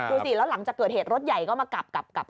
ดูสิแล้วหลังจากเกิดเหตุรถใหญ่ก็มากลับ